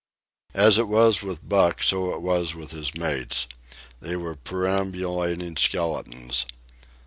As it was with Buck, so was it with his mates. They were perambulating skeletons.